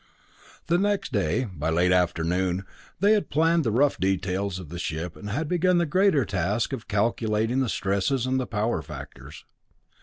The next day, by late afternoon, they had planned the rough details of the ship and had begun the greater task of calculating the stresses and the power factors.